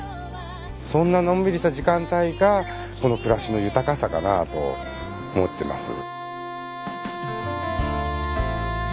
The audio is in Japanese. そんなのんびりした時間帯がこの暮らしの豊かさかなと思ってます。